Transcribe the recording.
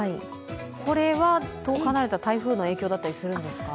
これは遠く離れた台風の影響だったりするんですか？